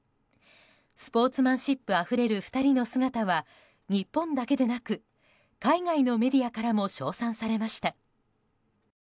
スポーツマンシップあふれる２人の姿は日本だけでなく海外のメディアからも称賛されました。